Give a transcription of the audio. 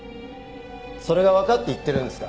それがわかって言ってるんですか？